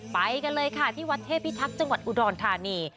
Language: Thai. ไปกันเลยค่ะที่วัดเทพิทักษ์จังหวัดอุดรธานี